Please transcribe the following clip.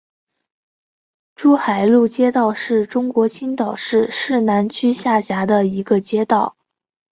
珠海路街道是中国青岛市市南区下辖的一个街道。